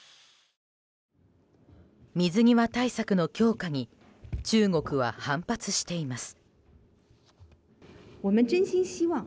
水際対策の強化に中国は反発しています。